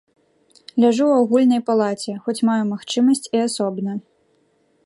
Ляжу ў агульнай палаце, хоць маю магчымасць і асобна.